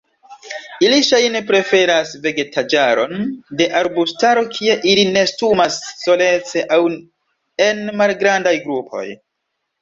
Ili ŝajne preferas vegetaĵaron de arbustaro kie ili nestumas solece aŭ en malgrandaj grupoj.